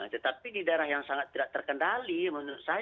tetapi di daerah yang sangat tidak terkendali menurut saya